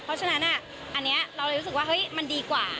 เพราะฉะนั้นอันนี้เราเลยรู้สึกว่าเฮ้ยมันดีกว่า